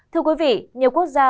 thưa quý vị nhiều quốc gia